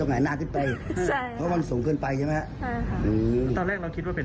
เพราะว่าถ่านเขาทำสูงเกินไปถ่านที่เป็นปี